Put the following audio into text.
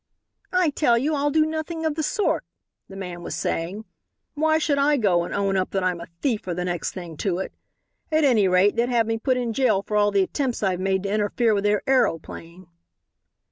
"I tell you I'll do nothing of the sort," the man was saying; "why should I go and own up that I'm a thief or the next thing to it? At any rate they'd have me put in jail for all the attempts I've made to interfere with their aeroplane."